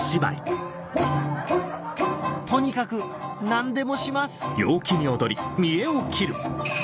とにかく何でもします！